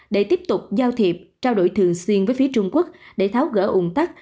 để tiếp tục giao thiệp trao đổi thường xuyên với phía trung quốc để tháo gỡ ung tắc